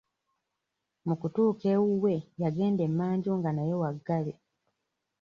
Mu kutuuka ewuwe yagenda emmanju nga nayo waggale.